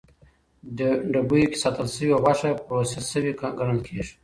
ډبیو کې ساتل شوې غوښه پروسس شوې ګڼل کېږي.